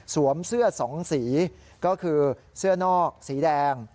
สวมเสื้อ๒สีก็คือเสื้อนอกสีแดง